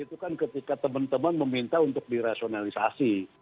itu kan ketika teman teman meminta untuk dirasionalisasi